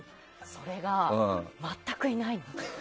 それが全くいないの。